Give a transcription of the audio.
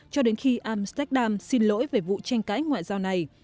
cho đến khi amsterdam xin lỗi về vụ tranh cãi ngoại giao này